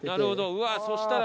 うわっそしたら。